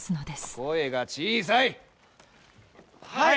声が小さい！